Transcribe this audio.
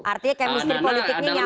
artinya chemistry politiknya nyambung lah